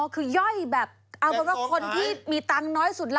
อ๋อคือย่อยแบบแบ่งซองขายเอาเป็นว่าคนที่มีตังค์น้อยสุดละ